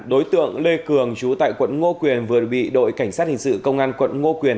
đối tượng lê cường chú tại quận ngô quyền vừa bị đội cảnh sát hình sự công an quận ngô quyền